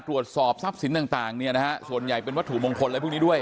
ตรวจสอบทรัพย์สินต่างเนี่ยนะฮะส่วนใหญ่เป็นวัตถุมงพล